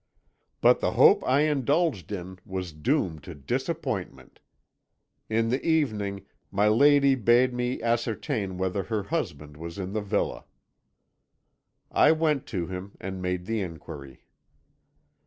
"But the hope I indulged in was doomed to disappointment. In the evening my lady bade me ascertain whether her husband was in the villa. "I went to him, and made the inquiry.